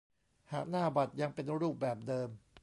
หากหน้าบัตรยังเป็นรูปแบบเดิม